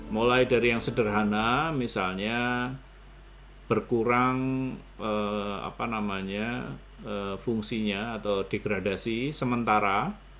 mulai dari yang sederhana misalnya berkurang fungsinya atau degradasi sementara